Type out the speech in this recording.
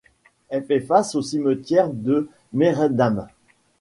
Elle fait face aux cimetières de Mehringdamm.